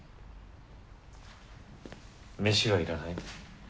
飯は要らない。